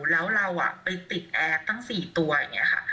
แล้วเราไปติดแอร์ตั้ง๔ตัวอย่างนี้ค่ะ